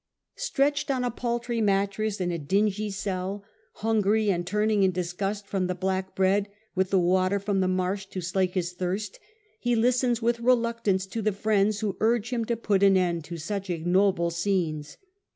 Stretched on a paltiy mattress, in a dingy cell, hungry, but turning in disgust from the black bread, with the water from the marsh to slake his thirst, he listens with reluctance to the friends a^ony of who urge him to put an end to such ignoble scenes.